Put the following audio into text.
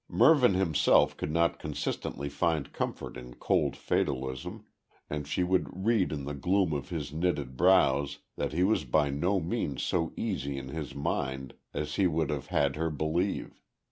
Mervyn himself could not consistently find comfort in cold fatalism, and she would read in the gloom of his knitted brows that he was by no means so easy in his mind as he would have had her believe.